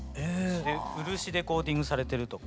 漆でコーティングされてるとか。